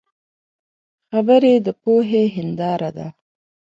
خبرې د پوهې هنداره ده